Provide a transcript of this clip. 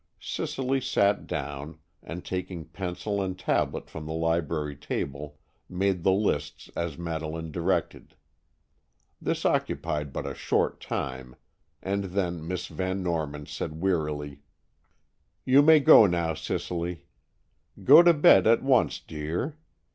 Cicely sat down, and, taking pencil and tablet from the library table, made the lists as Madeleine directed. This occupied but a short time, and then Miss Van Norman said wearily: "You may go now, Cicely. Go to bed at once, dear.